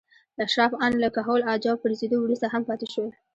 اشراف ان له کهول اجاو پرځېدو وروسته هم پاتې شول.